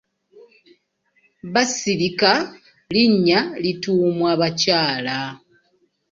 Basirika linnya lituumwa bakyala.